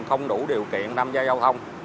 không đủ điều kiện năm giây giao thông